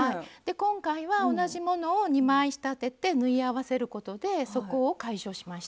今回は同じものを２枚仕立てて縫い合わせることでそこを解消しました。